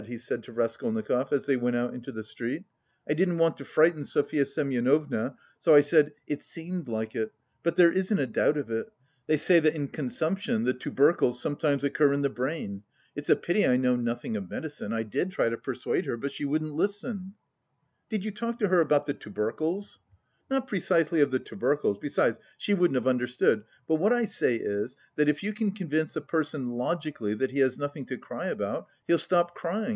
he said to Raskolnikov, as they went out into the street. "I didn't want to frighten Sofya Semyonovna, so I said 'it seemed like it,' but there isn't a doubt of it. They say that in consumption the tubercles sometimes occur in the brain; it's a pity I know nothing of medicine. I did try to persuade her, but she wouldn't listen." "Did you talk to her about the tubercles?" "Not precisely of the tubercles. Besides, she wouldn't have understood! But what I say is, that if you convince a person logically that he has nothing to cry about, he'll stop crying.